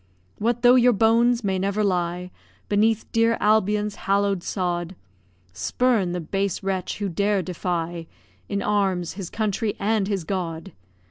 What though your bones may never lie Beneath dear Albion's hallow'd sod, Spurn the base wretch who dare defy, In arms, his country and his God!